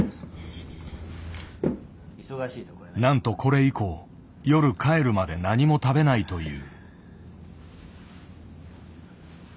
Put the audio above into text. なんとこれ以降夜帰るまで何も食べないという。